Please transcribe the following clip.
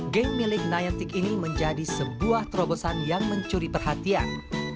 game milik niantic ini menjadi sebuah terobosan yang mencuri perhatian